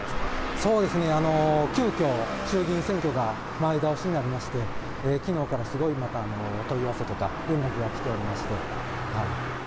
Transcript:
そうですね、急きょ、衆議院選挙が前倒しになりまして、きのうからすごいまたお問い合わせとか、連絡が来ておりまして。